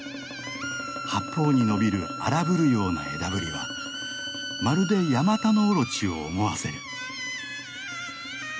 八方に伸びる荒ぶるような枝ぶりはまるでヤマタノオロチを思わせる。